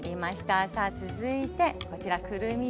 さあ続いてこちらくるみです。